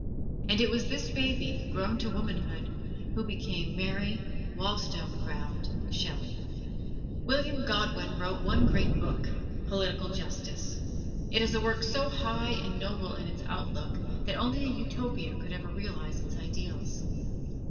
And it was this baby, grown to womanhood, who became Mary Wollstonecraft Shelley. William Godwin wrote one great book: "Political Justice." It is a work so high and noble in its outlook that only a Utopia could ever realize its ideals.